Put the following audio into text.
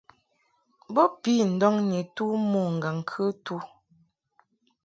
Bo pi ndɔŋ ni tu mo ŋgaŋ-kɨtu.